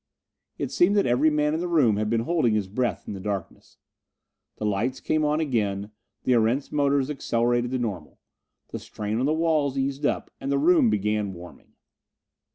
It seemed that every man in the room had been holding his breath in the darkness. The lights came on again: the Erentz motors accelerated to normal. The strain on the walls eased up, and the room began warming.